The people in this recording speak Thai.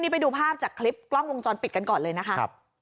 ไปดูภาพจากคลิปกล้องวงจรปิดกันก่อนเลยนะคะ